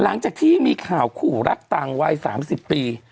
หลังจากที่มีข่าวคู่รักต่างวัย๓๐ปี